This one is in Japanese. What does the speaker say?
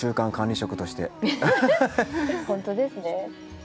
俺も本当ですね。